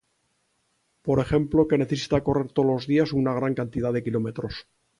Por ejemplo que necesita correr todos los días una gran cantidad de kilómetros.